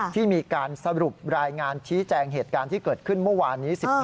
ที่มีการสรุปรายงานชี้แจงเหตุการณ์ที่เกิดขึ้นเมื่อวานนี้๑๕